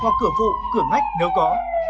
hoặc cửa phụ cửa ngách nếu có